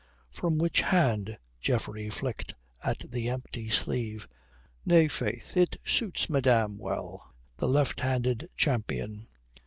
"From which hand?" Geoffrey flicked at the empty sleeve. "Nay, faith, it suits madame well, the left handed champion."